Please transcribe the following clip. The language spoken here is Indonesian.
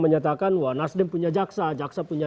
menyatakan wah nasdem punya jaksa jaksa punya